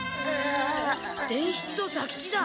伝七と左吉だ。